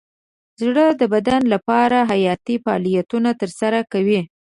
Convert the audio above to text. زړه د بدن لپاره حیاتي فعالیتونه ترسره کوي.